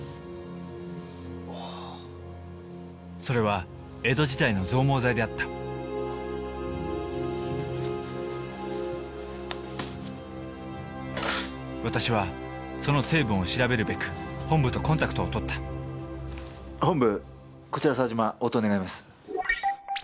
それは江戸時代の増毛剤であった私はその成分を調べるべく本部とコンタクトをとった本部こちら沢嶋応答願います。